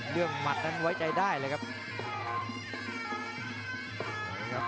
หมัดนั้นไว้ใจได้เลยครับ